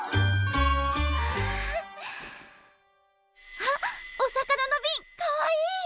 あっお魚のビンかわいい！